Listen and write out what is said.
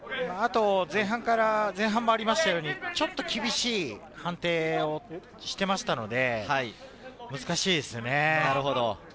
あと前半もありましたように、ちょっと厳しい判定をしていましたので、難しいですね。